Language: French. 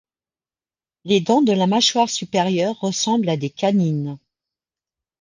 Les dents de la mâchoire supérieure ressemblent à des canines.